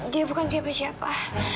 dia bukan siapa siapa